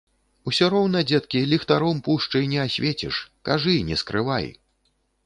Усё роўна, дзеткі, ліхтаром пушчы не асвеціш, кажы, не скрывай.